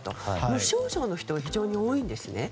無症状の人が非常に多いんです。